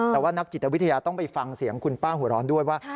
แต่ว่านักจิตวิทยาต้องไปฟังเสียงคุณป้าหัวร้อนด้วยว่า